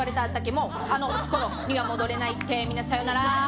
「もうあの頃には戻れないってみんなさよならー」